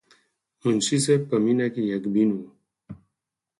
منشي صېب پۀ مينه کښې يک بين وو،